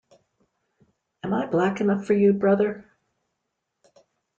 Am I black enough for you, brother?